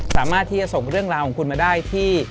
สามารถที่จะส่งเรื่องราวของคุณมาได้ที่